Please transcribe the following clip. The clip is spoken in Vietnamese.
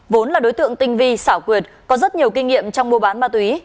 vốn là đối tượng tinh vi xảo quyệt có rất nhiều kinh nghiệm trong mua bán ma túy